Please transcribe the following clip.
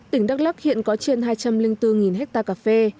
tỉnh đắk lắc hiện có trên hai trăm linh bốn hectare cà phê